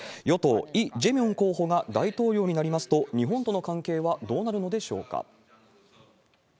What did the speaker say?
与党、イ・ジェミョン候補が大統領になりますと、日本との関係はどうなるのでしょうか。